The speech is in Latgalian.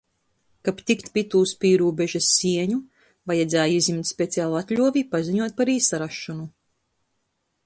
Kab tikt pi itūs pīrūbežys sieņu, vajadzēja izjimt specialu atļuovi i paziņuot par īsarasšonu.